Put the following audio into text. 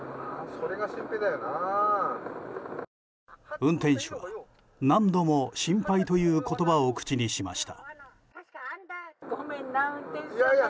運転手は何度も心配という言葉を口にしました。